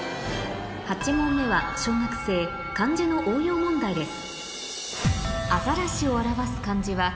８問目は小学生漢字の応用問題です